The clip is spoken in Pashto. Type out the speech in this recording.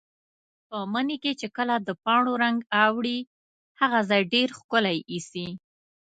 په مني کې چې کله د پاڼو رنګ اوړي، هغه ځای ډېر ښکلی ایسي.